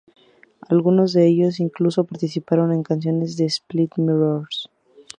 Algunos de ellos incluso participaron en canciones de Split Mirrors.